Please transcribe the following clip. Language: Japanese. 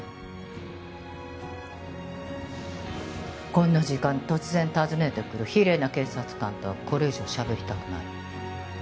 こんな時間に突然訪ねてくる非礼な警察官とはこれ以上しゃべりたくないの。